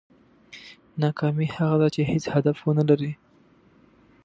ناکامي هغه ده چې هېڅ هدف ونه لرې.